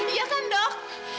iya kan dok